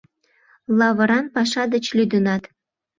Лавыран паша деч лӱдынат?